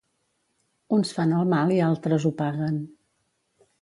Uns fan el mal i altres ho paguen.